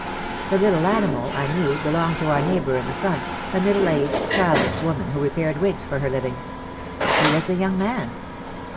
The little animal I knew belonged to our neighbour in the front, a middle aged, childless woman who repaired wigs for her living. "Who was the young man?"